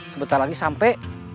sebentar lagi sampai